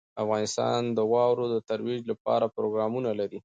افغانستان د واوره د ترویج لپاره پروګرامونه لري.